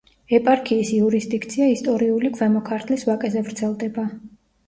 ეპარქიის იურისდიქცია ისტორიული ქვემო ქართლის ვაკეზე ვრცელდება.